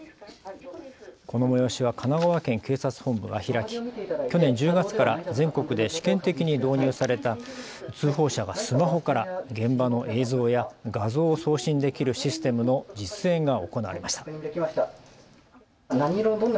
この催しは神奈川県警察本部が開き去年１０月から全国で試験的に導入された通報者がスマホから現場の映像や画像を送信できるシステムの実演が行われました。